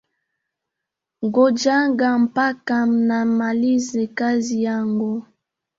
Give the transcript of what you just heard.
Ngojaga mpaka mmalize kazi yangu.